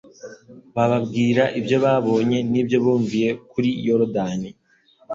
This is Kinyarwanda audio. Bababwira ibyo babonye n’ibyo bumviye kuri Yorodani,